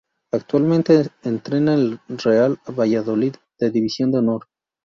Actualmente entrena al Real Valladolid de División de Honor.